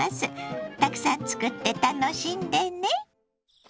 たくさんつくって楽しんでね。